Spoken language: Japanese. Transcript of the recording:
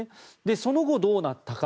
その後、どうなったか。